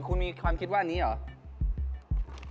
คุณมีความคิดว่าอันนี้เหรอ